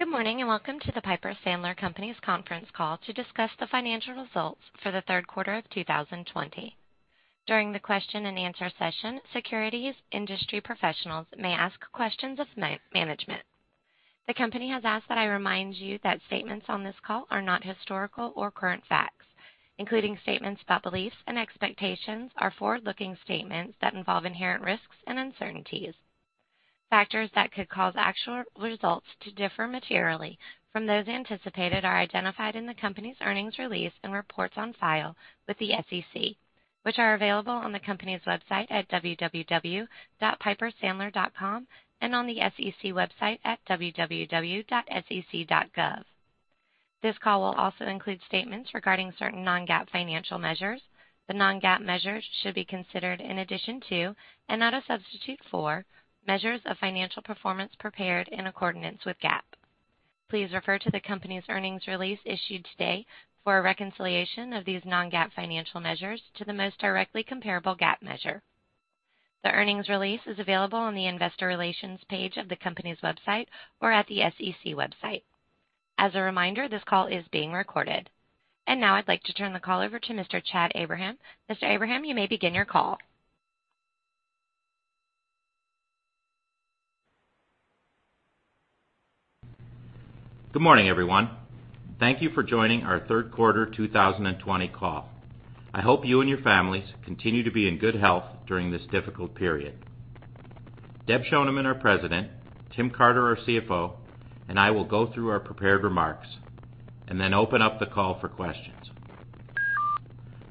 Good morning and welcome to the Piper Sandler Companies Conference call to discuss the financial results for the third quarter of 2020. During the question-and-answer session, securities industry professionals may ask questions of management. The company has asked that I remind you that statements on this call are not historical or current facts, including statements about beliefs and expectations are forward-looking statements that involve inherent risks and uncertainties. Factors that could cause actual results to differ materially from those anticipated are identified in the company's earnings release and reports on file with the SEC, which are available on the company's website at www.pipersandler.com and on the SEC website at www.sec.gov. This call will also include statements regarding certain non-GAAP financial measures. The non-GAAP measures should be considered in addition to, and not a substitute for, measures of financial performance prepared in accordance with GAAP. Please refer to the company's earnings release issued today for a reconciliation of these non-GAAP financial measures to the most directly comparable GAAP measure. The earnings release is available on the investor relations page of the company's website or at the SEC website. As a reminder, this call is being recorded. Now I'd like to turn the call over to Mr. Chad Abraham. Mr. Abraham, you may begin your call. Good morning, everyone. Thank you for joining our third quarter 2020 call. I hope you and your families continue to be in good health during this difficult period. Deb Schoneman, our President, Tim Carter, our CFO, and I will go through our prepared remarks and then open up the call for questions.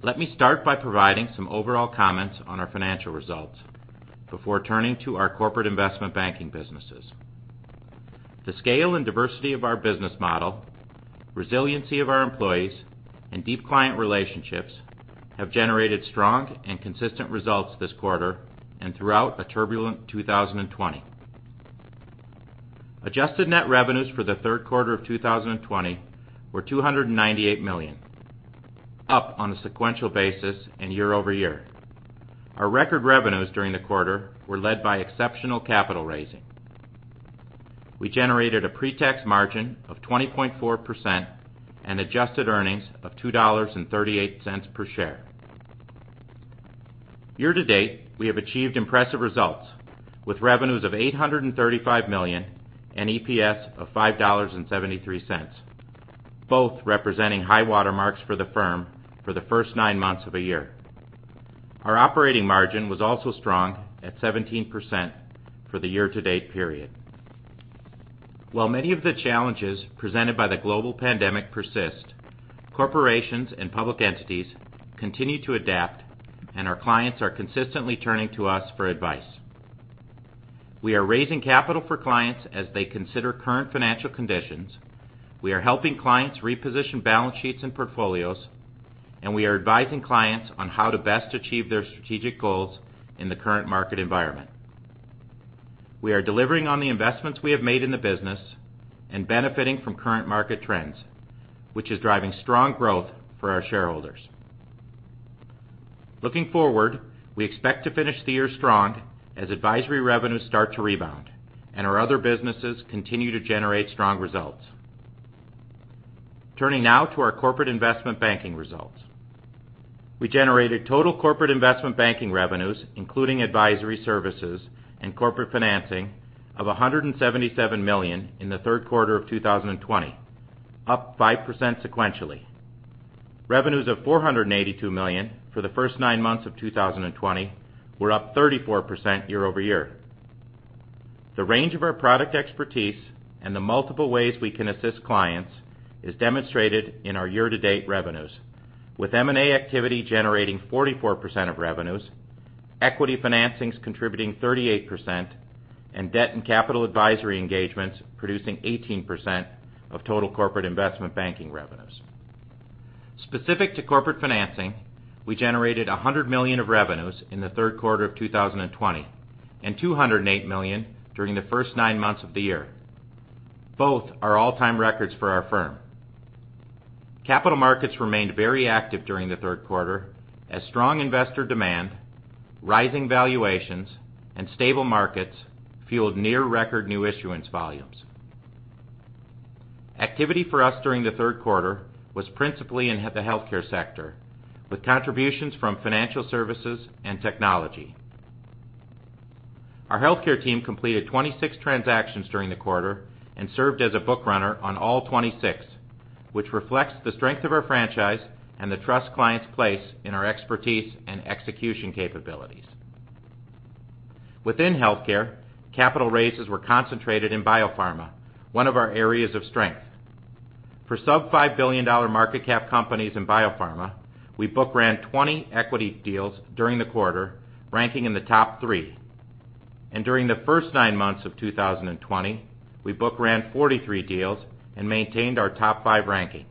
Let me start by providing some overall comments on our financial results before turning to our corporate investment banking businesses. The scale and diversity of our business model, resiliency of our employees, and deep client relationships have generated strong and consistent results this quarter and throughout a turbulent 2020. Adjusted net revenues for the third quarter of 2020 were $298 million, up on a sequential basis and year over year. Our record revenues during the quarter were led by exceptional capital raising. We generated a pre-tax margin of 20.4% and adjusted earnings of $2.38 per share. Year to date, we have achieved impressive results with revenues of $835 million and EPS of $5.73, both representing high watermarks for the firm for the first nine months of a year. Our operating margin was also strong at 17% for the year-to-date period. While many of the challenges presented by the global pandemic persist, corporations and public entities continue to adapt, and our clients are consistently turning to us for advice. We are raising capital for clients as they consider current financial conditions. We are helping clients reposition balance sheets and portfolios, and we are advising clients on how to best achieve their strategic goals in the current market environment. We are delivering on the investments we have made in the business and benefiting from current market trends, which is driving strong growth for our shareholders. Looking forward, we expect to finish the year strong as advisory revenues start to rebound and our other businesses continue to generate strong results. Turning now to our corporate investment banking results, we generated total corporate investment banking revenues, including advisory services and corporate financing, of $177 million in the third quarter of 2020, up 5% sequentially. Revenues of $482 million for the first nine months of 2020 were up 34% year over year. The range of our product expertise and the multiple ways we can assist clients is demonstrated in our year-to-date revenues, with M&A activity generating 44% of revenues, equity financings contributing 38%, and debt and capital advisory engagements producing 18% of total corporate investment banking revenues. Specific to corporate financing, we generated $100 million of revenues in the third quarter of 2020 and $208 million during the first nine months of the year. Both are all-time records for our firm. Capital markets remained very active during the third quarter as strong investor demand, rising valuations, and stable markets fueled near-record new issuance volumes. Activity for us during the third quarter was principally in the healthcare sector, with contributions from financial services and technology. Our healthcare team completed 26 transactions during the quarter and served as a bookrunner on all 26, which reflects the strength of our franchise and the trust clients place in our expertise and execution capabilities. Within healthcare, capital raises were concentrated in biopharma, one of our areas of strength. For sub-$5 billion market cap companies in biopharma, we book ran 20 equity deals during the quarter, ranking in the top three and during the first nine months of 2020, we book ran 43 deals and maintained our top five ranking.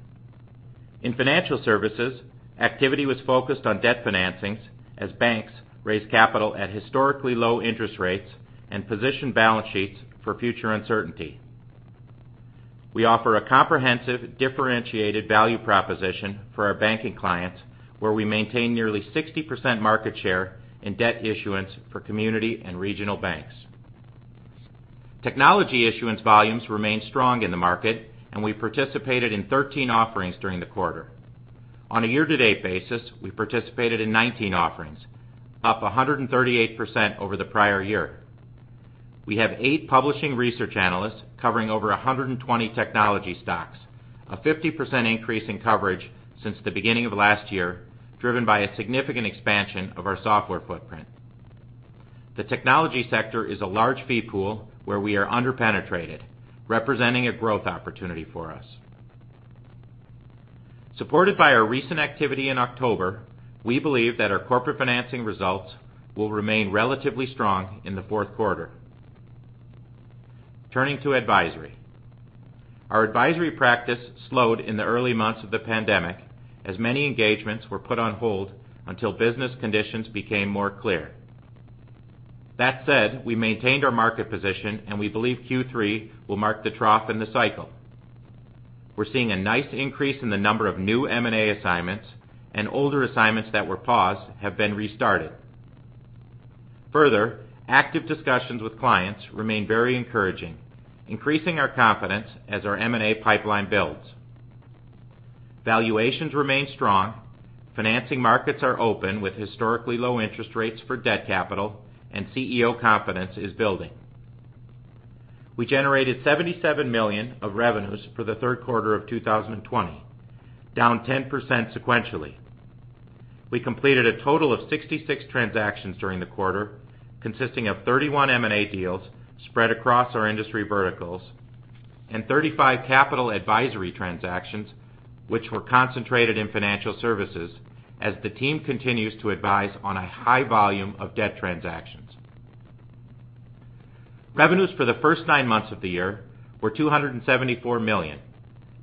In financial services, activity was focused on debt financings as banks raised capital at historically low interest rates and positioned balance sheets for future uncertainty. We offer a comprehensive differentiated value proposition for our banking clients, where we maintain nearly 60% market share in debt issuance for community and regional banks. Technology issuance volumes remained strong in the market, and we participated in 13 offerings during the quarter. On a year-to-date basis, we participated in 19 offerings, up 138% over the prior year. We have eight publishing research analysts covering over 120 technology stocks, a 50% increase in coverage since the beginning of last year, driven by a significant expansion of our software footprint. The technology sector is a large fee pool where we are underpenetrated, representing a growth opportunity for us. Supported by our recent activity in October, we believe that our corporate financing results will remain relatively strong in the fourth quarter. Turning to advisory, our advisory practice slowed in the early months of the pandemic as many engagements were put on hold until business conditions became more clear. That said, we maintained our market position, and we believe Q3 will mark the trough in the cycle. We're seeing a nice increase in the number of new M&A assignments, and older assignments that were paused have been restarted. Further, active discussions with clients remain very encouraging, increasing our confidence as our M&A pipeline builds. Valuations remain strong. Financing markets are open with historically low interest rates for debt capital, and CEO confidence is building. We generated $77 million of revenues for the third quarter of 2020, down 10% sequentially. We completed a total of 66 transactions during the quarter, consisting of 31 M&A deals spread across our industry verticals and 35 capital advisory transactions, which were concentrated in financial services as the team continues to advise on a high volume of debt transactions. Revenues for the first nine months of the year were $274 million,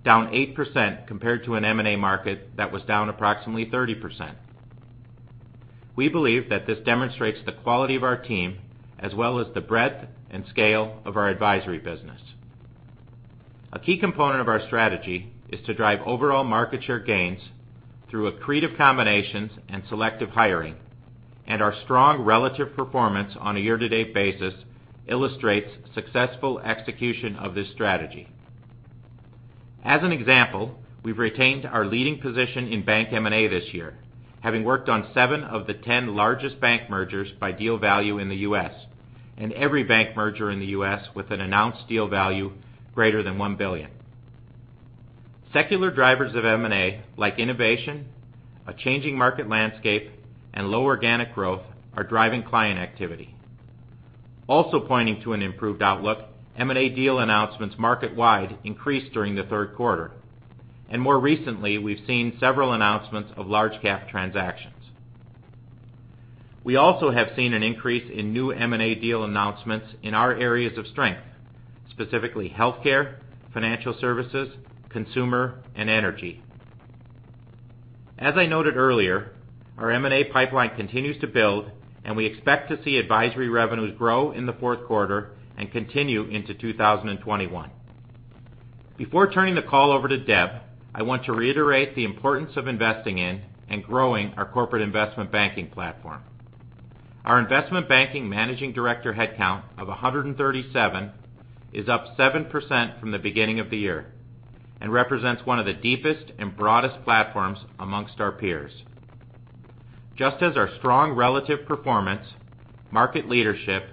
down 8% compared to an M&A market that was down approximately 30%. We believe that this demonstrates the quality of our team as well as the breadth and scale of our advisory business. A key component of our strategy is to drive overall market share gains through accretive combinations and selective hiring, and our strong relative performance on a year-to-date basis illustrates successful execution of this strategy. As an example, we've retained our leading position in bank M&A this year, having worked on seven of the 10 largest bank mergers by deal value in the U.S. and every bank merger in the U.S. with an announced deal value greater than $1 billion. Secular drivers of M&A, like innovation, a changing market landscape, and low organic growth, are driving client activity. Also pointing to an improved outlook, M&A deal announcements market-wide increased during the third quarter, and more recently, we've seen several announcements of large-cap transactions. We also have seen an increase in new M&A deal announcements in our areas of strength, specifically healthcare, financial services, consumer, and energy. As I noted earlier, our M&A pipeline continues to build, and we expect to see advisory revenues grow in the fourth quarter and continue into 2021. Before turning the call over to Deb, I want to reiterate the importance of investing in and growing our corporate investment banking platform. Our investment banking managing director headcount of 137 is up 7% from the beginning of the year and represents one of the deepest and broadest platforms among our peers. Just as our strong relative performance, market leadership,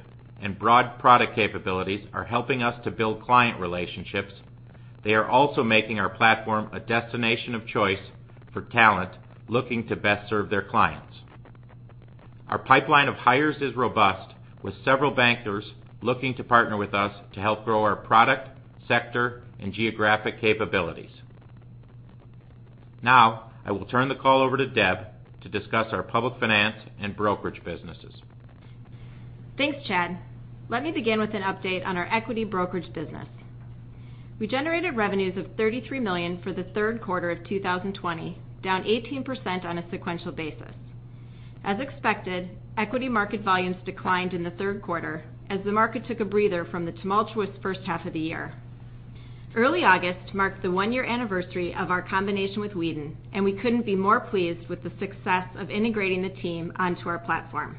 and broad product capabilities are helping us to build client relationships, they are also making our platform a destination of choice for talent looking to best serve their clients. Our pipeline of hires is robust, with several bankers looking to partner with us to help grow our product, sector, and geographic capabilities. Now, I will turn the call over to Deb to discuss our public finance and brokerage businesses. Thanks, Chad. Let me begin with an update on our equity brokerage business. We generated revenues of $33 million for the third quarter of 2020, down 18% on a sequential basis. As expected, equity market volumes declined in the third quarter as the market took a breather from the tumultuous first half of the year. Early August marked the one-year anniversary of our combination with Weeden, and we couldn't be more pleased with the success of integrating the team onto our platform.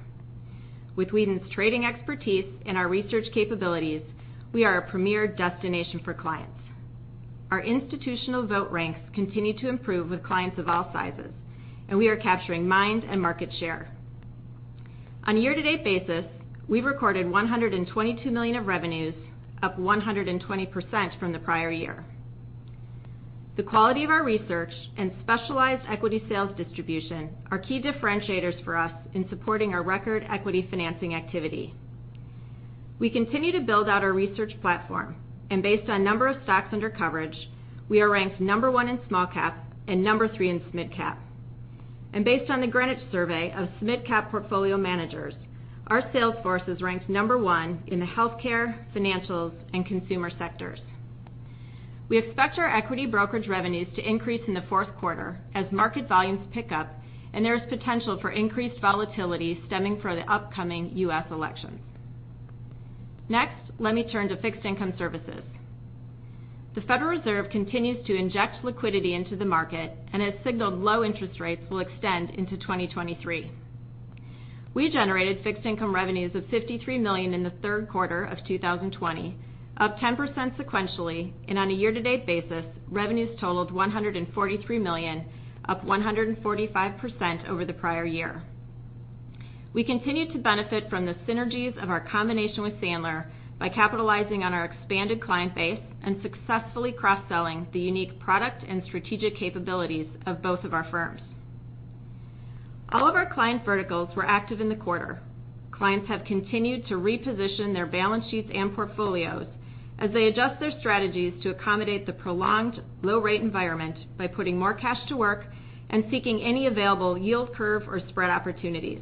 With Weeden's trading expertise and our research capabilities, we are a premier destination for clients. Our institutional vote ranks continue to improve with clients of all sizes, and we are capturing mind and market share. On a year-to-date basis, we've recorded $122 million of revenues, up 120% from the prior year. The quality of our research and specialized equity sales distribution are key differentiators for us in supporting our record equity financing activity. We continue to build out our research platform, and based on number of stocks under coverage, we are ranked number one in small cap and number three in mid-cap, and based on the Greenwich survey of mid-cap portfolio managers, our sales force is ranked number one in the healthcare, financials, and consumer sectors. We expect our equity brokerage revenues to increase in the fourth quarter as market volumes pick up, and there is potential for increased volatility stemming from the upcoming U.S. elections. Next, let me turn to fixed income services. The Federal Reserve continues to inject liquidity into the market, and it's signaled low interest rates will extend into 2023. We generated fixed income revenues of $53 million in the third quarter of 2020, up 10% sequentially, and on a year-to-date basis, revenues totaled $143 million, up 145% over the prior year. We continue to benefit from the synergies of our combination with Sandler by capitalizing on our expanded client base and successfully cross-selling the unique product and strategic capabilities of both of our firms. All of our client verticals were active in the quarter. Clients have continued to reposition their balance sheets and portfolios as they adjust their strategies to accommodate the prolonged low-rate environment by putting more cash to work and seeking any available yield curve or spread opportunities.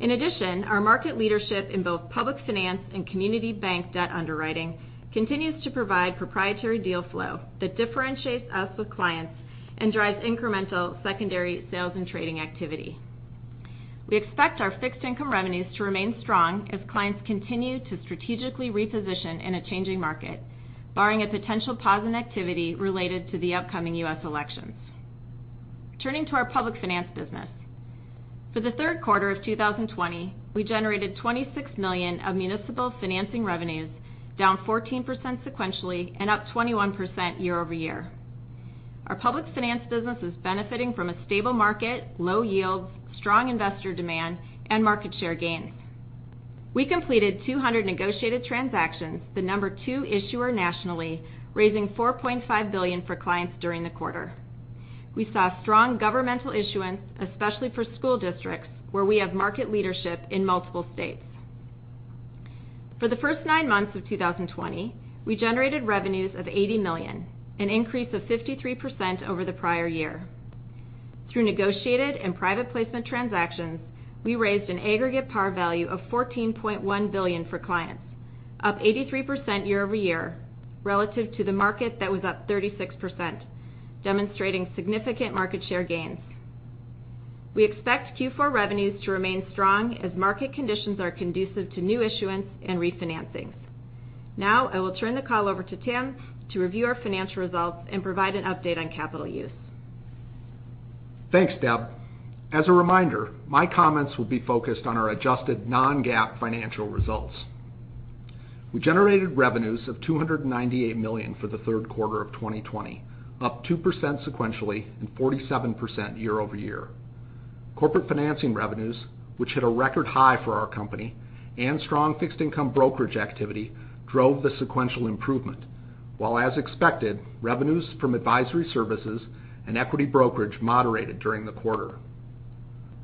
In addition, our market leadership in both public finance and community bank debt underwriting continues to provide proprietary deal flow that differentiates us with clients and drives incremental secondary sales and trading activity. We expect our fixed income revenues to remain strong as clients continue to strategically reposition in a changing market, barring a potential pause in activity related to the upcoming U.S. elections. Turning to our public finance business. For the third quarter of 2020, we generated $26 million of municipal financing revenues, down 14% sequentially and up 21% year over year. Our public finance business is benefiting from a stable market, low yields, strong investor demand, and market share gains. We completed 200 negotiated transactions, the number two issuer nationally, raising $4.5 billion for clients during the quarter. We saw strong governmental issuance, especially for school districts, where we have market leadership in multiple states. For the first nine months of 2020, we generated revenues of $80 million, an increase of 53% over the prior year. Through negotiated and private placement transactions, we raised an aggregate par value of $14.1 billion for clients, up 83% year over year relative to the market that was up 36%, demonstrating significant market share gains. We expect Q4 revenues to remain strong as market conditions are conducive to new issuance and refinancing. Now, I will turn the call over to Tim to review our financial results and provide an update on capital use. Thanks, Deb. As a reminder, my comments will be focused on our adjusted non-GAAP financial results. We generated revenues of $298 million for the third quarter of 2020, up 2% sequentially and 47% year over year. Corporate financing revenues, which hit a record high for our company and strong fixed income brokerage activity, drove the sequential improvement, while, as expected, revenues from advisory services and equity brokerage moderated during the quarter.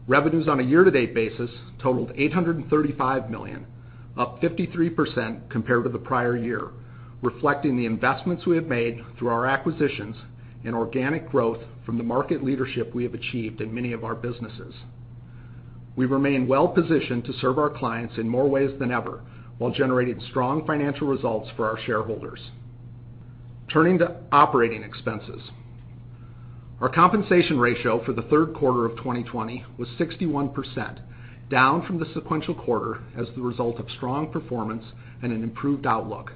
Revenues on a year-to-date basis totaled $835 million, up 53% compared to the prior year, reflecting the investments we have made through our acquisitions and organic growth from the market leadership we have achieved in many of our businesses. We remain well-positioned to serve our clients in more ways than ever while generating strong financial results for our shareholders. Turning to operating expenses. Our compensation ratio for the third quarter of 2020 was 61%, down from the sequential quarter as the result of strong performance and an improved outlook.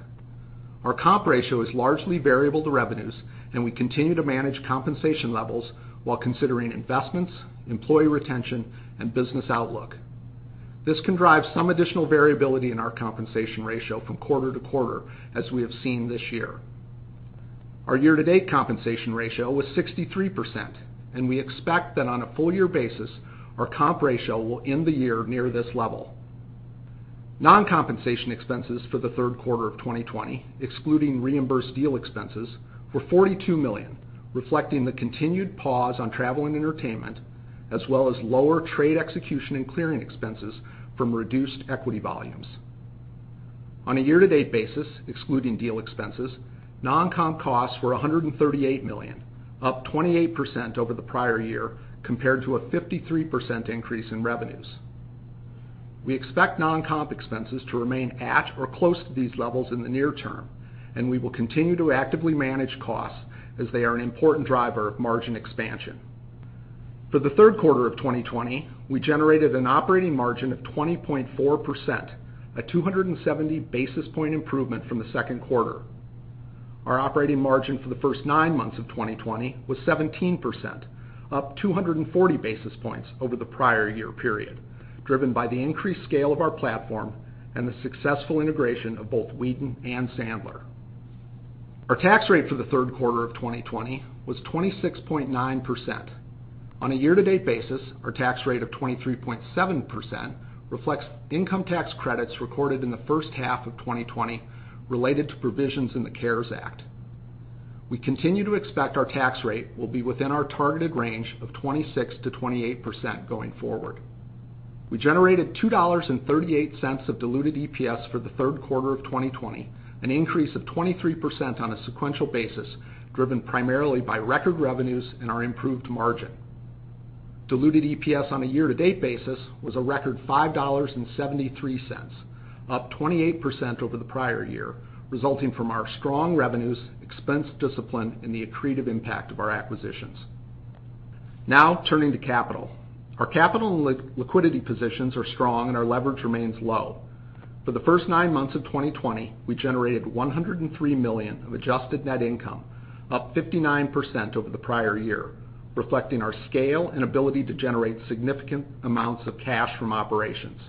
Our comp ratio is largely variable to revenues, and we continue to manage compensation levels while considering investments, employee retention, and business outlook. This can drive some additional variability in our compensation ratio from quarter to quarter as we have seen this year. Our year-to-date compensation ratio was 63%, and we expect that on a full-year basis, our comp ratio will end the year near this level. Non-compensation expenses for the third quarter of 2020, excluding reimbursed deal expenses, were $42 million, reflecting the continued pause on travel and entertainment, as well as lower trade execution and clearing expenses from reduced equity volumes. On a year-to-date basis, excluding deal expenses, non-comp costs were $138 million, up 28% over the prior year compared to a 53% increase in revenues. We expect non-comp expenses to remain at or close to these levels in the near term, and we will continue to actively manage costs as they are an important driver of margin expansion. For the third quarter of 2020, we generated an operating margin of 20.4%, a 270 basis point improvement from the second quarter. Our operating margin for the first nine months of 2020 was 17%, up 240 basis points over the prior year period, driven by the increased scale of our platform and the successful integration of both Weeden and Sandler. Our tax rate for the third quarter of 2020 was 26.9%. On a year-to-date basis, our tax rate of 23.7% reflects income tax credits recorded in the first half of 2020 related to provisions in the CARES Act. We continue to expect our tax rate will be within our targeted range of 26%-28% going forward. We generated $2.38 of diluted EPS for the third quarter of 2020, an increase of 23% on a sequential basis driven primarily by record revenues and our improved margin. Diluted EPS on a year-to-date basis was a record $5.73, up 28% over the prior year, resulting from our strong revenues, expense discipline, and the accretive impact of our acquisitions. Now, turning to capital. Our capital and liquidity positions are strong, and our leverage remains low. For the first nine months of 2020, we generated $103 million of adjusted net income, up 59% over the prior year, reflecting our scale and ability to generate significant amounts of cash from operations.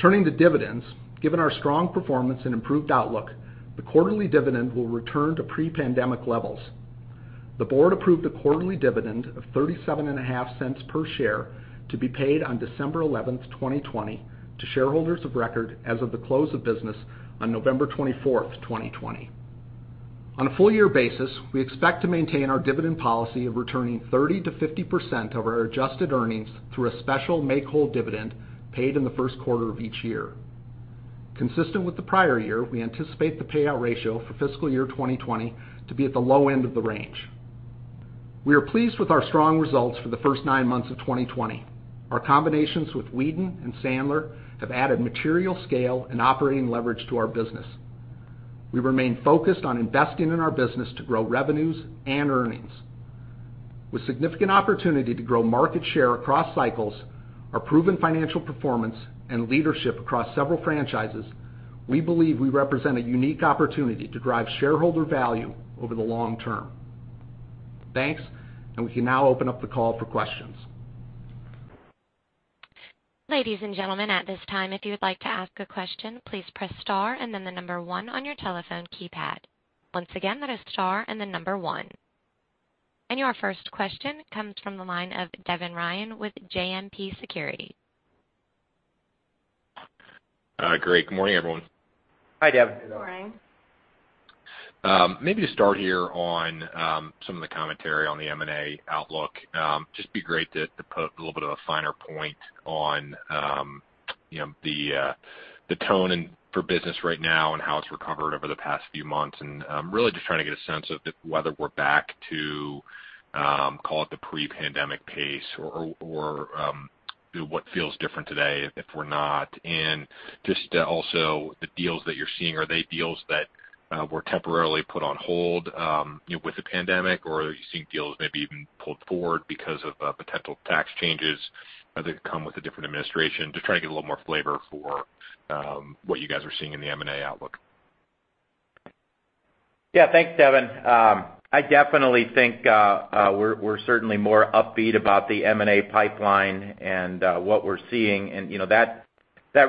Turning to dividends, given our strong performance and improved outlook, the quarterly dividend will return to pre-pandemic levels. The board approved a quarterly dividend of $37.50 per share to be paid on December 11, 2020, to shareholders of record as of the close of business on November 24th, 2020. On a full-year basis, we expect to maintain our dividend policy of returning 30%-50% of our adjusted earnings through a special make-whole dividend paid in the first quarter of each year. Consistent with the prior year, we anticipate the payout ratio for fiscal year 2020 to be at the low end of the range. We are pleased with our strong results for the first nine months of 2020. Our combinations with Weeden and Sandler have added material scale and operating leverage to our business. We remain focused on investing in our business to grow revenues and earnings. With significant opportunity to grow market share across cycles, our proven financial performance, and leadership across several franchises, we believe we represent a unique opportunity to drive shareholder value over the long term. Thanks, and we can now open up the call for questions. Ladies and gentlemen, at this time, if you would like to ask a question, please press star and then the number one on your telephone keypad. Once again, that is star and then number one. And your first question comes from the line of Devin Ryan with JMP Securities. Great. Good morning, everyone. Hi, Devin. Good morning. Maybe to start here on some of the commentary on the M&A outlook, it'd just be great to put a little bit of a finer point on the tone for business right now and how it's recovered over the past few months, and really just trying to get a sense of whether we're back to, call it, the pre-pandemic pace or what feels different today if we're not, and just also the deals that you're seeing, are they deals that were temporarily put on hold with the pandemic, or are you seeing deals maybe even pulled forward because of potential tax changes that come with a different administration? Just trying to get a little more flavor for what you guys are seeing in the M&A outlook. Yeah. Thanks, Devin. I definitely think we're certainly more upbeat about the M&A pipeline and what we're seeing. And that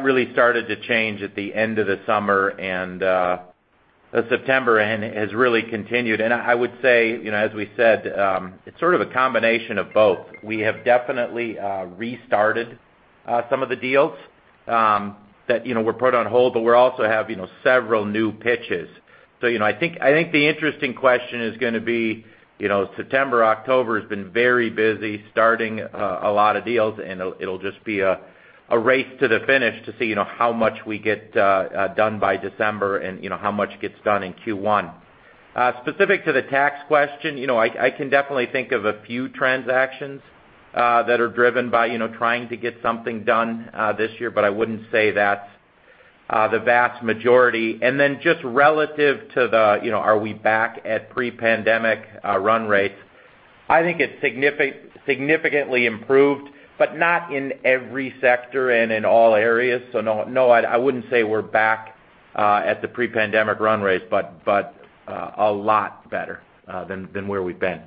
really started to change at the end of the summer and September and has really continued. And I would say, as we said, it's sort of a combination of both. We have definitely restarted some of the deals that were put on hold, but we also have several new pitches. So I think the interesting question is going to be September, October has been very busy starting a lot of deals, and it'll just be a race to the finish to see how much we get done by December and how much gets done in Q1. Specific to the tax question, I can definitely think of a few transactions that are driven by trying to get something done this year, but I wouldn't say that's the vast majority. And then, just relative to the, are we back at pre-pandemic run rates? I think it's significantly improved, but not in every sector and in all areas. So, no, I wouldn't say we're back at the pre-pandemic run rates, but a lot better than where we've been.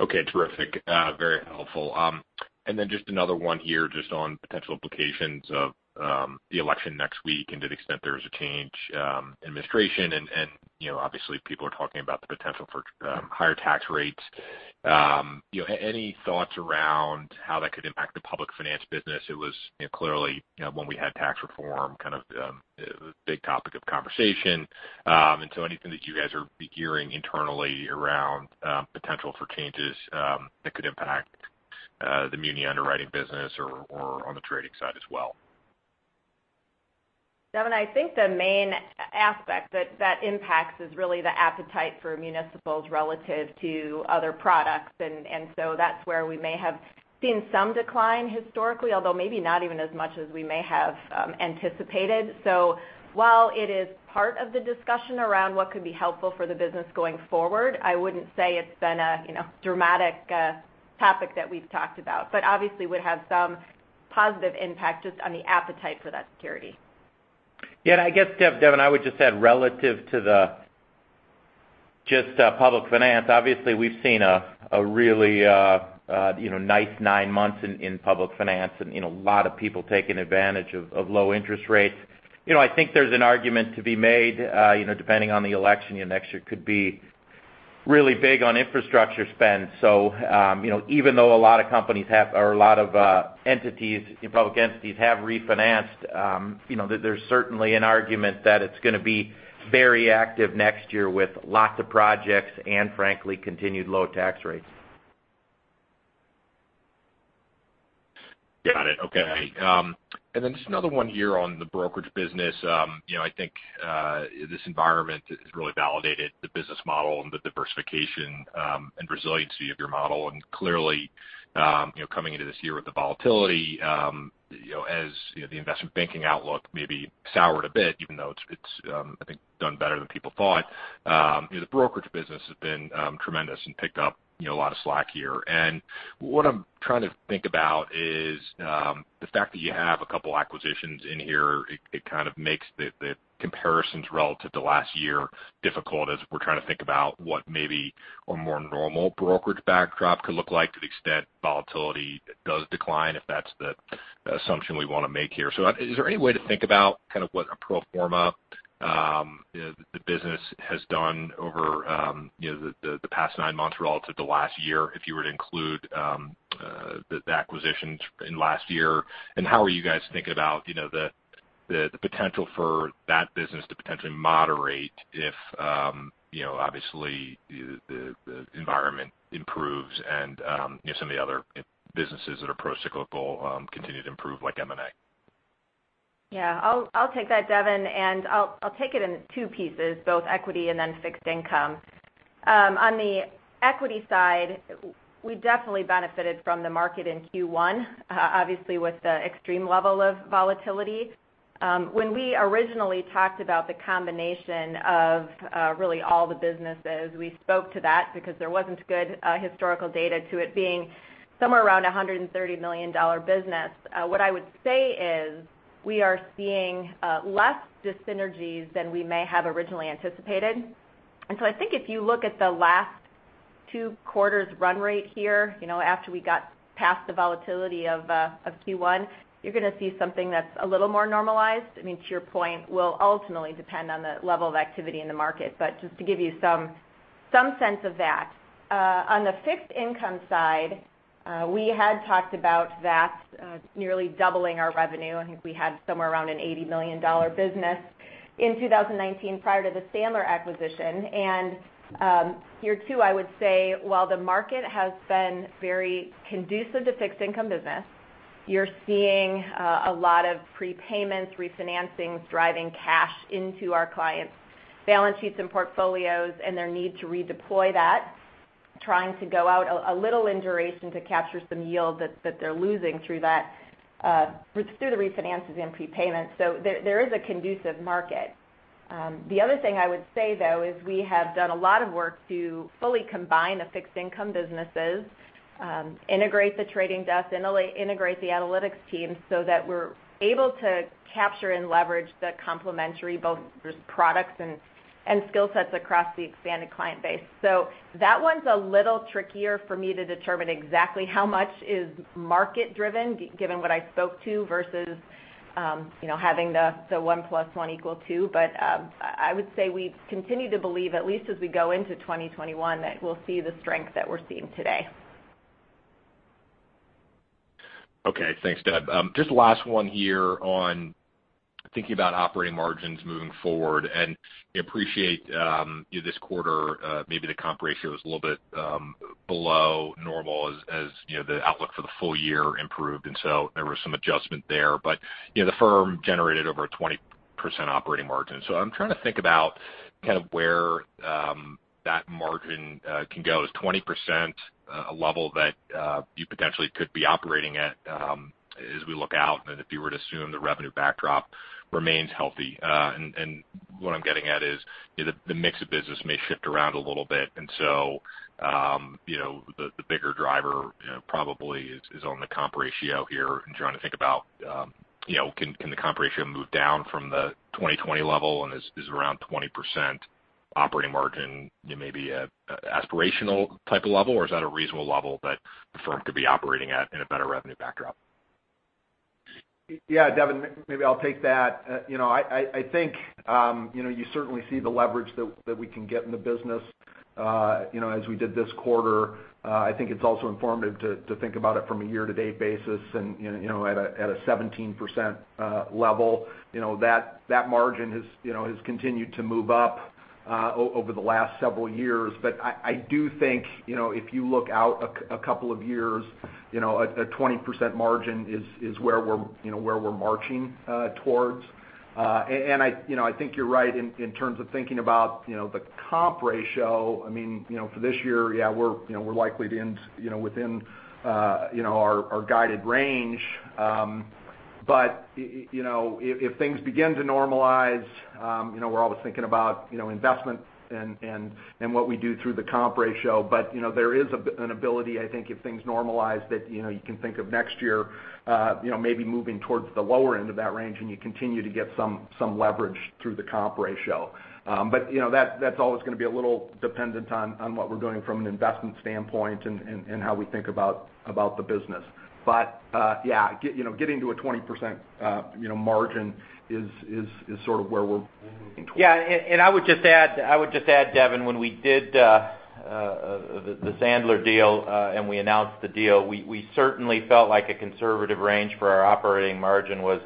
Okay. Terrific. Very helpful. And then just another one here just on potential implications of the election next week and to the extent there is a change in administration. And obviously, people are talking about the potential for higher tax rates. Any thoughts around how that could impact the public finance business? It was clearly, when we had tax reform, kind of a big topic of conversation. And so anything that you guys are hearing internally around potential for changes that could impact the muni underwriting business or on the trading side as well? Devin, I think the main aspect that impacts is really the appetite for municipals relative to other products, and so that's where we may have seen some decline historically, although maybe not even as much as we may have anticipated, so while it is part of the discussion around what could be helpful for the business going forward, I wouldn't say it's been a dramatic topic that we've talked about, but obviously would have some positive impact just on the appetite for that security. Yeah. And I guess, Deb, I would just add relative to just public finance, obviously we've seen a really nice nine months in public finance and a lot of people taking advantage of low interest rates. I think there's an argument to be made depending on the election next year could be really big on infrastructure spend. So even though a lot of companies or a lot of public entities have refinanced, there's certainly an argument that it's going to be very active next year with lots of projects and, frankly, continued low tax rates. Got it. Okay. And then just another one here on the brokerage business. I think this environment has really validated the business model and the diversification and resiliency of your model. And clearly, coming into this year with the volatility, as the investment banking outlook maybe soured a bit, even though it's, I think, done better than people thought, the brokerage business has been tremendous and picked up a lot of slack here. And what I'm trying to think about is the fact that you have a couple of acquisitions in here. It kind of makes the comparisons relative to last year difficult as we're trying to think about what maybe a more normal brokerage backdrop could look like to the extent volatility does decline, if that's the assumption we want to make here. So is there any way to think about kind of what a pro forma the business has done over the past nine months relative to last year, if you were to include the acquisitions in last year? And how are you guys thinking about the potential for that business to potentially moderate if, obviously, the environment improves and some of the other businesses that are pro cyclical continue to improve like M&A? Yeah. I'll take that, Devin, and I'll take it in two pieces, both equity and then fixed income. On the equity side, we definitely benefited from the market in Q1, obviously with the extreme level of volatility. When we originally talked about the combination of really all the businesses, we spoke to that because there wasn't good historical data to it being somewhere around a $130 million business. What I would say is we are seeing less dis-synergies than we may have originally anticipated. And so I think if you look at the last two quarters' run rate here after we got past the volatility of Q1, you're going to see something that's a little more normalized. I mean, to your point, will ultimately depend on the level of activity in the market. But just to give you some sense of that, on the fixed income side, we had talked about that nearly doubling our revenue. I think we had somewhere around an $80 million business in 2019 prior to the Sandler acquisition. And here too, I would say, while the market has been very conducive to fixed income business, you're seeing a lot of prepayments, refinancings driving cash into our clients' balance sheets and portfolios and their need to redeploy that, trying to go out a little in duration to capture some yield that they're losing through the refinances and prepayments. So there is a conducive market. The other thing I would say, though, is we have done a lot of work to fully combine the fixed income businesses, integrate the trading desk, integrate the analytics teams so that we're able to capture and leverage the complementary both products and skill sets across the expanded client base. So that one's a little trickier for me to determine exactly how much is market-driven, given what I spoke to, versus having the 1+1 = 2. But I would say we continue to believe, at least as we go into 2021, that we'll see the strength that we're seeing today. Okay. Thanks, Deb. Just last one here on thinking about operating margins moving forward. And I appreciate this quarter, maybe the comp ratio was a little bit below normal as the outlook for the full year improved. And so there was some adjustment there. But the firm generated over a 20% operating margin. So I'm trying to think about kind of where that margin can go. Is 20% a level that you potentially could be operating at as we look out? And if you were to assume the revenue backdrop remains healthy. And what I'm getting at is the mix of business may shift around a little bit. And so the bigger driver probably is on the comp ratio here, and trying to think about, can the comp ratio move down from the 2020 level, and is around 20% operating margin maybe an aspirational type of level, or is that a reasonable level that the firm could be operating at in a better revenue backdrop? Yeah, Devin, maybe I'll take that. I think you certainly see the leverage that we can get in the business as we did this quarter. I think it's also informative to think about it from a year-to-date basis. And at a 17% level, that margin has continued to move up over the last several years. But I do think if you look out a couple of years, a 20% margin is where we're marching towards. And I think you're right in terms of thinking about the comp ratio. I mean, for this year, yeah, we're likely to end within our guided range. But if things begin to normalize, we're always thinking about investment and what we do through the comp ratio. But there is an ability, I think, if things normalize, that you can think of next year maybe moving towards the lower end of that range and you continue to get some leverage through the comp ratio. But that's always going to be a little dependent on what we're doing from an investment standpoint and how we think about the business. But yeah, getting to a 20% margin is sort of where we're moving towards. Yeah. And I would just add, Devin, when we did the Sandler deal and we announced the deal, we certainly felt like a conservative range for our operating margin was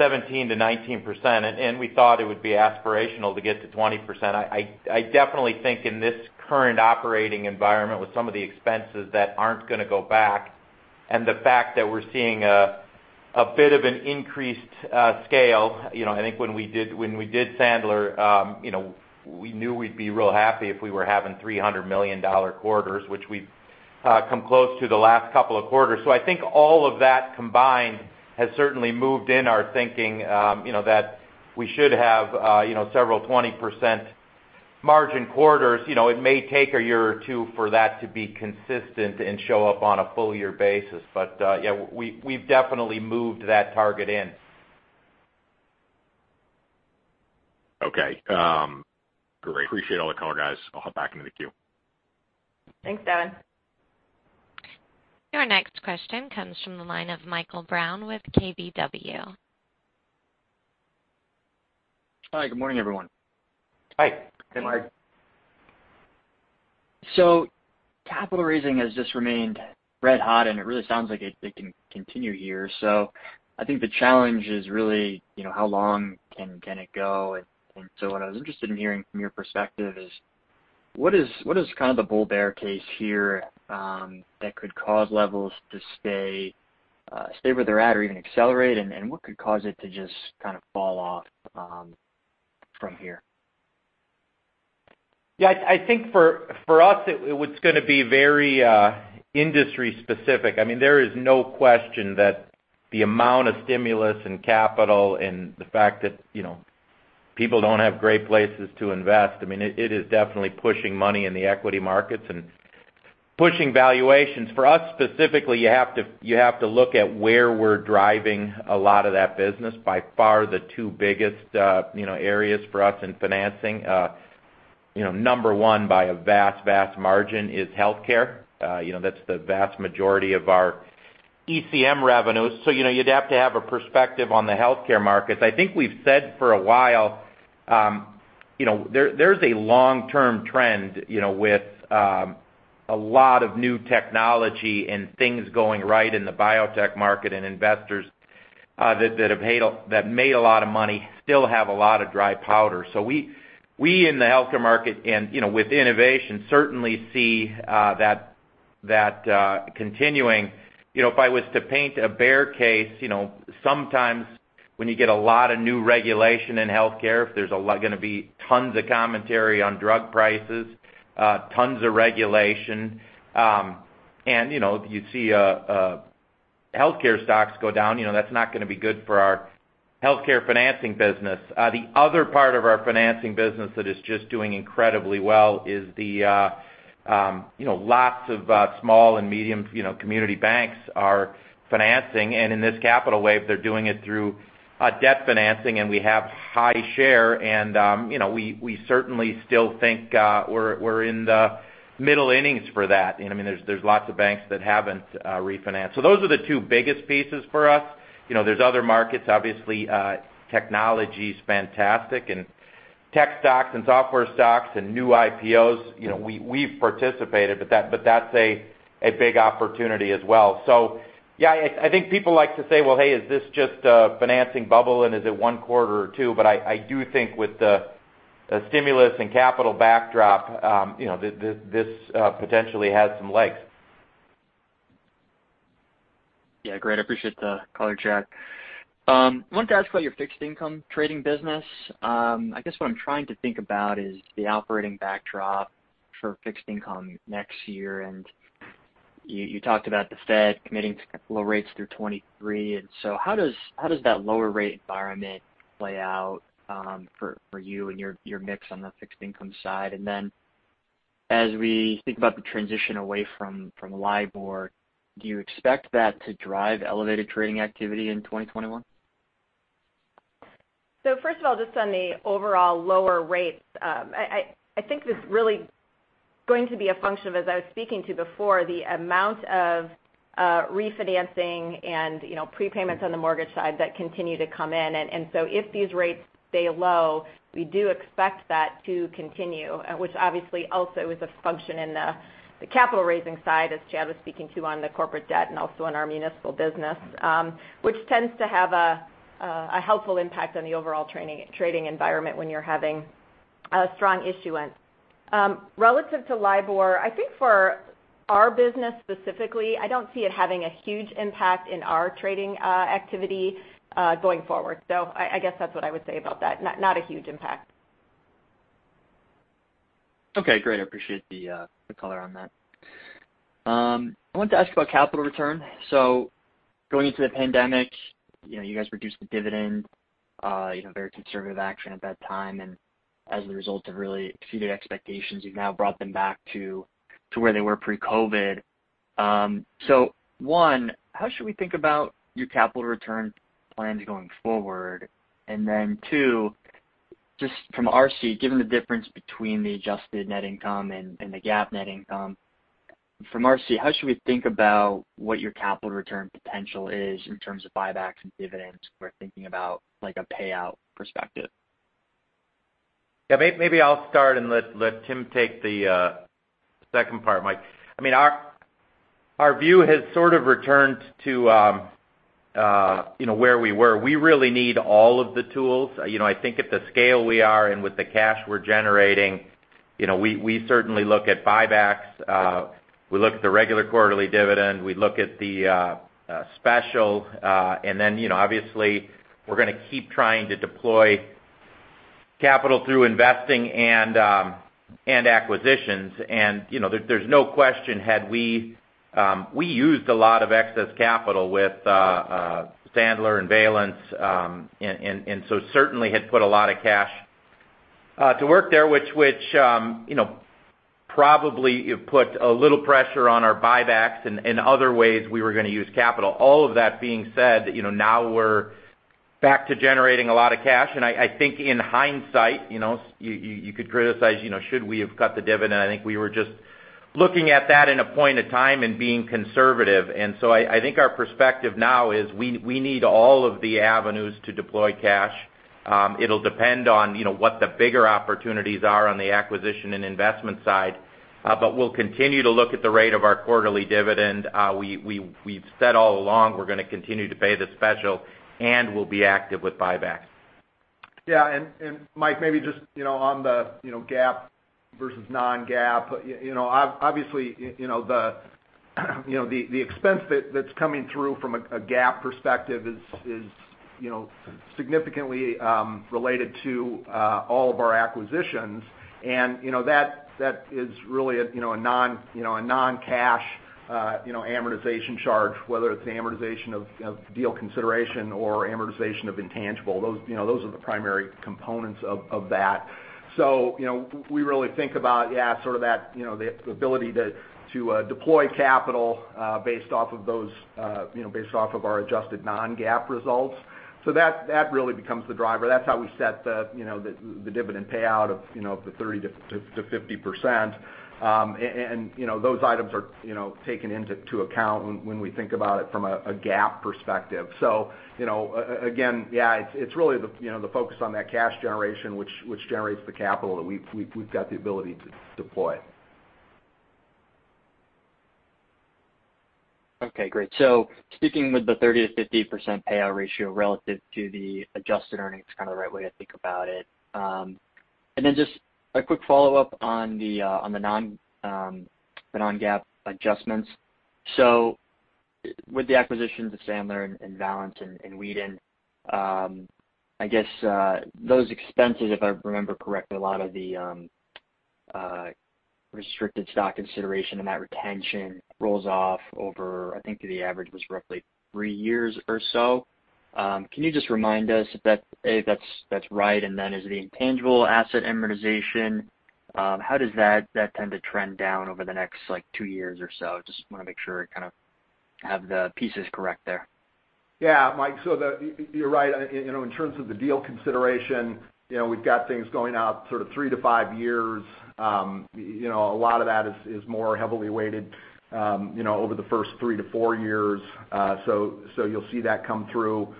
17%-19%. And we thought it would be aspirational to get to 20%. I definitely think in this current operating environment with some of the expenses that aren't going to go back and the fact that we're seeing a bit of an increased scale. I think when we did Sandler, we knew we'd be real happy if we were having $300 million quarters, which we've come close to the last couple of quarters. So I think all of that combined has certainly moved in our thinking that we should have several 20% margin quarters. It may take a year or two for that to be consistent and show up on a full year basis. But yeah, we've definitely moved that target in. Okay. Great. Appreciate all the comments, guys. I'll hop back into the queue. Thanks, Devin. Your next question comes from the line of Michael Brown with KBW. Hi. Good morning, everyone. Hi. Good morning. So capital raising has just remained red hot, and it really sounds like it can continue here. So I think the challenge is really how long can it go? And so what I was interested in hearing from your perspective is what is kind of the bull bear case here that could cause levels to stay where they're at or even accelerate? And what could cause it to just kind of fall off from here? Yeah. I think for us, it's going to be very industry specific. I mean, there is no question that the amount of stimulus and capital and the fact that people don't have great places to invest. I mean, it is definitely pushing money in the equity markets and pushing valuations. For us specifically, you have to look at where we're driving a lot of that business. By far, the two biggest areas for us in financing, number one by a vast, vast margin, is healthcare. That's the vast majority of our ECM revenues. So you'd have to have a perspective on the healthcare markets. I think we've said for a while there's a long-term trend with a lot of new technology and things going right in the biotech market and investors that have made a lot of money still have a lot of dry powder. So we in the healthcare market and with innovation certainly see that continuing. If I was to paint a bear case, sometimes when you get a lot of new regulation in healthcare, if there's going to be tons of commentary on drug prices, tons of regulation, and you see healthcare stocks go down, that's not going to be good for our healthcare financing business. The other part of our financing business that is just doing incredibly well is the lots of small and medium community banks are financing. And in this capital wave, they're doing it through debt financing, and we have high share. And we certainly still think we're in the middle innings for that. I mean, there's lots of banks that haven't refinanced. So those are the two biggest pieces for us. There's other markets. Obviously, technology is fantastic. And tech stocks and software stocks and new IPOs, we've participated, but that's a big opportunity as well. So yeah, I think people like to say, "Well, hey, is this just a financing bubble, and is it one quarter or two?" But I do think with the stimulus and capital backdrop, this potentially has some legs. Yeah. Great. I appreciate the color, Chad. I wanted to ask about your fixed income trading business. I guess what I'm trying to think about is the operating backdrop for fixed income next year. And you talked about the Fed committing to low rates through 2023. And so how does that lower rate environment play out for you and your mix on the fixed income side? And then as we think about the transition away from LIBOR, do you expect that to drive elevated trading activity in 2021? So first of all, just on the overall lower rates, I think this is really going to be a function of, as I was speaking to before, the amount of refinancing and prepayments on the mortgage side that continue to come in. And so if these rates stay low, we do expect that to continue, which obviously also is a function in the capital raising side, as Chad was speaking to on the corporate debt and also on our municipal business, which tends to have a helpful impact on the overall trading environment when you're having a strong issuance. Relative to LIBOR, I think for our business specifically, I don't see it having a huge impact in our trading activity going forward. So I guess that's what I would say about that. Not a huge impact. Okay. Great. I appreciate the color on that. I wanted to ask about capital return. So going into the pandemic, you guys reduced the dividend, very conservative action at that time. And as a result, you really exceeded expectations. You've now brought them back to where they were pre-COVID. So one, how should we think about your capital return plans going forward? And then two, just from our seat, given the difference between the adjusted net income and the GAAP net income, from our seat, how should we think about what your capital return potential is in terms of buybacks and dividends? We're thinking about a payout perspective. Yeah. Maybe I'll start and let Tim take the second part, Mike. I mean, our view has sort of returned to where we were. We really need all of the tools. I think at the scale we are and with the cash we're generating, we certainly look at buybacks. We look at the regular quarterly dividend. We look at the special. And then obviously, we're going to keep trying to deploy capital through investing and acquisitions. And there's no question had we used a lot of excess capital with Sandler and Valence and so certainly had put a lot of cash to work there, which probably put a little pressure on our buybacks and other ways we were going to use capital. All of that being said, now we're back to generating a lot of cash. And I think in hindsight, you could criticize, "Should we have cut the dividend?" I think we were just looking at that in a point of time and being conservative. And so I think our perspective now is we need all of the avenues to deploy cash. It'll depend on what the bigger opportunities are on the acquisition and investment side. But we'll continue to look at the rate of our quarterly dividend. We've said all along we're going to continue to pay the special and we'll be active with buybacks. Yeah. And Mike, maybe just on the GAAP versus non-GAAP, obviously, the expense that's coming through from a GAAP perspective is significantly related to all of our acquisitions. And that is really a non-cash amortization charge, whether it's the amortization of deal consideration or amortization of intangible. Those are the primary components of that. So we really think about, yeah, sort of that ability to deploy capital based off of those, based off of our adjusted non-GAAP results. So that really becomes the driver. That's how we set the dividend payout of the 30%-50%. And those items are taken into account when we think about it from a GAAP perspective. So again, yeah, it's really the focus on that cash generation, which generates the capital that we've got the ability to deploy. Okay. Great. So speaking of the 30%-50% payout ratio relative to the adjusted earnings, kind of the right way to think about it. And then just a quick follow-up on the non-GAAP adjustments. So with the acquisitions of Sandler and Valence and Weeden, I guess those expenses, if I remember correctly, a lot of the restricted stock consideration and that retention rolls off over, I think the average was roughly three years or so. Can you just remind us if that's right? And then is the intangible asset amortization, how does that tend to trend down over the next two years or so? Just want to make sure I kind of have the pieces correct there. Yeah. Mike, so you're right. In terms of the deal consideration, we've got things going out sort of three to five years. A lot of that is more heavily weighted over the first three to four years. So you'll see that come through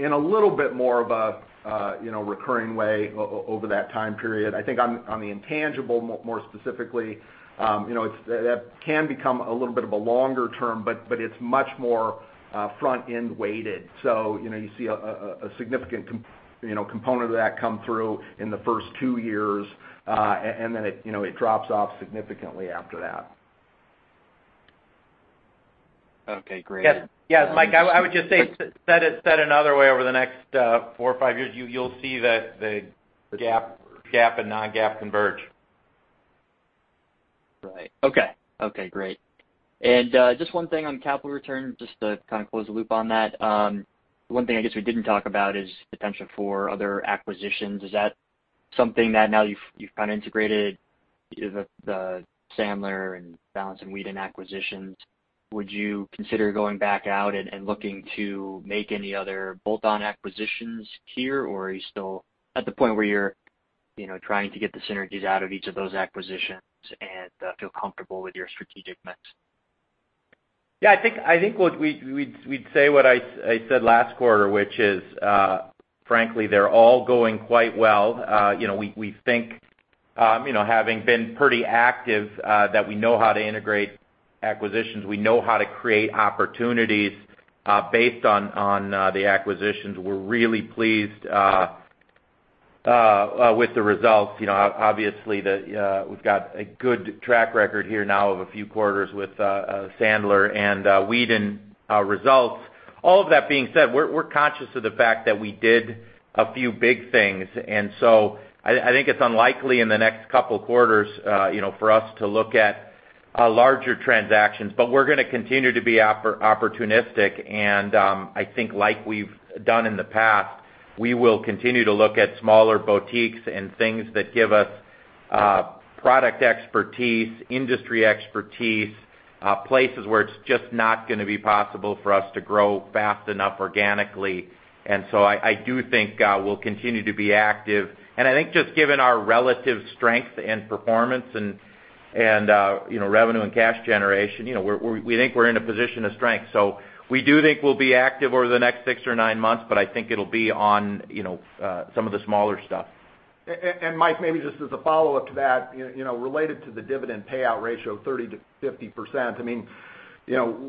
in a little bit more of a recurring way over that time period. I think on the intangible, more specifically, that can become a little bit of a longer term, but it's much more front-end weighted. So you see a significant component of that come through in the first two years, and then it drops off significantly after that. Okay. Great. Yeah. Mike, I would just say said another way over the next four or five years, you'll see the GAAP and non-GAAP converge. Right. Okay. Okay. Great. And just one thing on capital return, just to kind of close the loop on that. One thing I guess we didn't talk about is potential for other acquisitions. Is that something that now you've kind of integrated the Sandler and Valence and Weeden acquisitions? Would you consider going back out and looking to make any other bolt-on acquisitions here, or are you still at the point where you're trying to get the synergies out of each of those acquisitions and feel comfortable with your strategic mix? Yeah. I think we'd say what I said last quarter, which is, frankly, they're all going quite well. We think, having been pretty active, that we know how to integrate acquisitions. We know how to create opportunities based on the acquisitions. We're really pleased with the results. Obviously, we've got a good track record here now of a few quarters with Sandler and Weeden results. All of that being said, we're conscious of the fact that we did a few big things. And so I think it's unlikely in the next couple of quarters for us to look at larger transactions. But we're going to continue to be opportunistic. And I think like we've done in the past, we will continue to look at smaller boutiques and things that give us product expertise, industry expertise, places where it's just not going to be possible for us to grow fast enough organically. And so I do think we'll continue to be active. And I think just given our relative strength and performance and revenue and cash generation, we think we're in a position of strength. So we do think we'll be active over the next six or nine months, but I think it'll be on some of the smaller stuff. And Mike, maybe just as a follow-up to that, related to the dividend payout ratio of 30%-50%, I mean,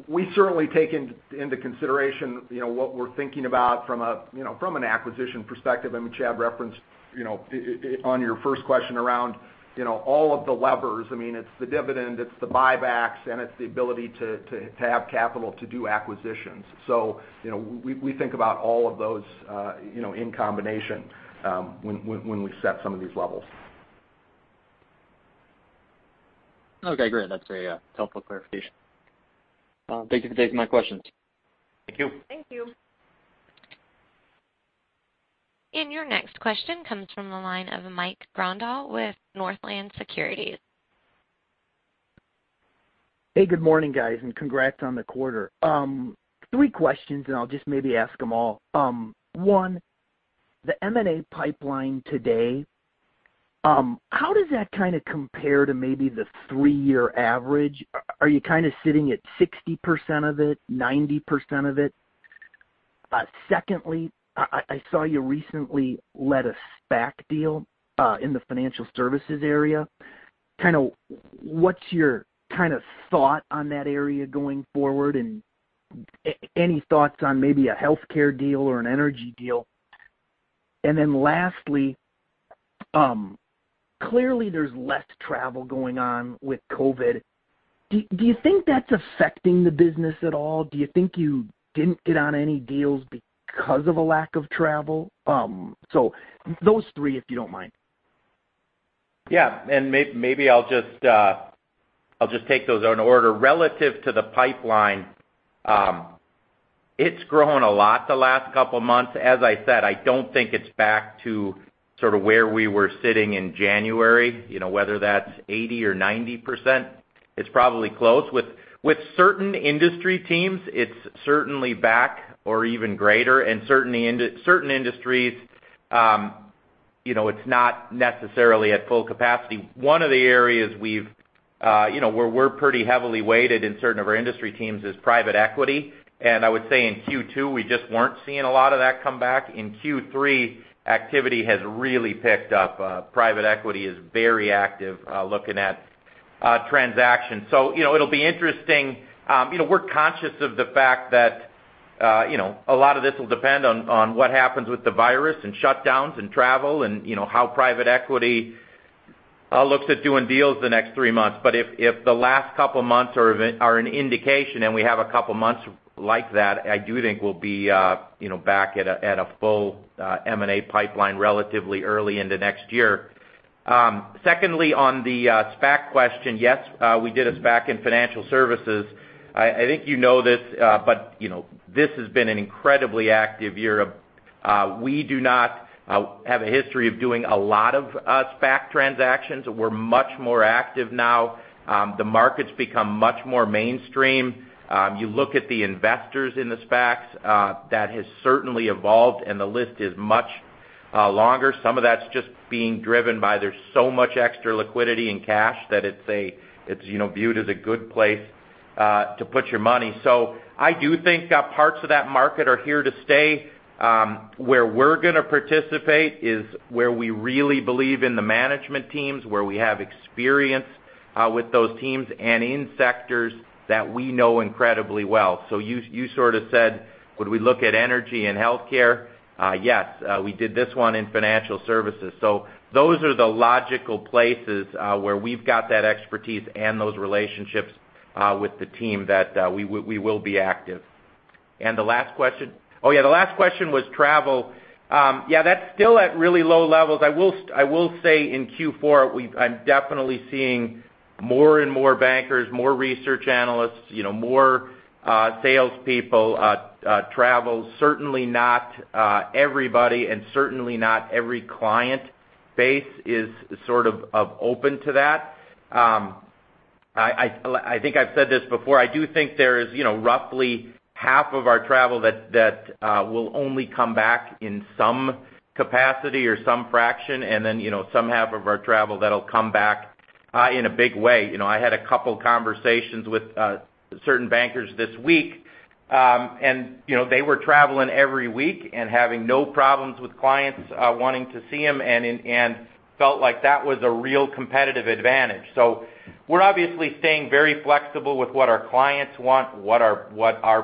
we certainly take into consideration what we're thinking about from an acquisition perspective. I mean, Chad referenced on your first question around all of the levers.I mean, it's the dividend, it's the buybacks, and it's the ability to have capital to do acquisitions. So we think about all of those in combination when we set some of these levels. Okay. Great. That's a helpful clarification. Thank you for taking my questions. Thank you. Thank you. Your next question comes from the line of Mike Grondahl with Northland Securities. Hey, good morning, guys, and congrats on the quarter. Three questions, and I'll just maybe ask them all. One, the M&A pipeline today, how does that kind of compare to maybe the three-year average? Are you kind of sitting at 60% of it, 90% of it? Secondly, I saw you recently led a SPAC deal in the financial services area. Kind of what's your kind of thought on that area going forward? And any thoughts on maybe a healthcare deal or an energy deal? And then lastly, clearly there's less travel going on with COVID. Do you think that's affecting the business at all? Do you think you didn't get on any deals because of a lack of travel? So those three, if you don't mind. Yeah. And maybe I'll just take those in order. Relative to the pipeline, it's grown a lot the last couple of months. As I said, I don't think it's back to sort of where we were sitting in January, whether that's 80% or 90%. It's probably close. With certain industry teams, it's certainly back or even greater. And certain industries, it's not necessarily at full capacity. One of the areas where we're pretty heavily weighted in certain of our industry teams is private equity. And I would say in Q2, we just weren't seeing a lot of that come back. In Q3, activity has really picked up. Private equity is very active looking at transactions. So it'll be interesting. We're conscious of the fact that a lot of this will depend on what happens with the virus and shutdowns and travel and how private equity looks at doing deals the next three months. But if the last couple of months are an indication and we have a couple of months like that, I do think we'll be back at a full M&A pipeline relatively early into next year. Secondly, on the SPAC question, yes, we did a SPAC in financial services. I think you know this, but this has been an incredibly active year. We do not have a history of doing a lot of SPAC transactions. We're much more active now. The market's become much more mainstream. You look at the investors in the SPACs, that has certainly evolved, and the list is much longer. Some of that's just being driven by there's so much extra liquidity and cash that it's viewed as a good place to put your money. So I do think parts of that market are here to stay. Where we're going to participate is where we really believe in the management teams, where we have experience with those teams and in sectors that we know incredibly well. So you sort of said, would we look at energy and healthcare? Yes, we did this one in financial services. So those are the logical places where we've got that expertise and those relationships with the team that we will be active. And the last question, oh yeah, the last question was travel. Yeah, that's still at really low levels. I will say in Q4, I'm definitely seeing more and more bankers, more research analysts, more salespeople, travel. Certainly not everybody and certainly not every client base is sort of open to that. I think I've said this before. I do think there is roughly half of our travel that will only come back in some capacity or some fraction, and then some half of our travel that'll come back in a big way. I had a couple of conversations with certain bankers this week, and they were traveling every week and having no problems with clients wanting to see them and felt like that was a real competitive advantage. So we're obviously staying very flexible with what our clients want, what our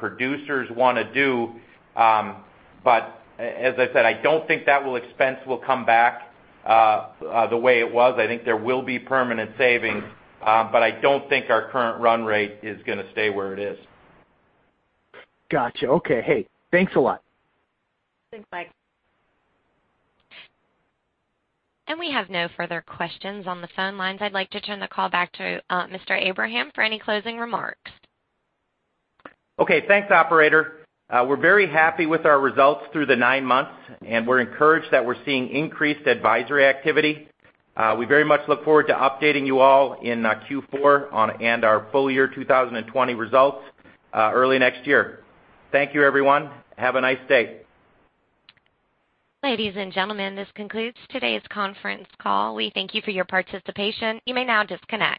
producers want to do. But as I said, I don't think that expense will come back the way it was. I think there will be permanent savings, but I don't think our current run rate is going to stay where it is. Gotcha. Okay. Hey, thanks a lot. Thanks, Mike. We have no further questions on the phone lines. I'd like to turn the call back to Mr. Abraham for any closing remarks. Okay. Thanks, operator. We're very happy with our results through the nine months, and we're encouraged that we're seeing increased advisory activity. We very much look forward to updating you all in Q4 and our full year 2020 results early next year. Thank you, everyone. Have a nice day. Ladies and gentlemen, this concludes today's conference call. We thank you for your participation. You may now disconnect.